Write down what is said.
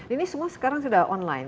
ini semua sekarang sudah online